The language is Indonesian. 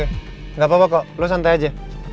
tidak apa apa kok lo santai aja